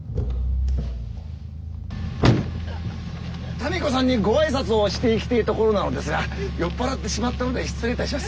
・民子さんにご挨拶をしていきてえところなのですが酔っ払ってしまったので失礼いたします。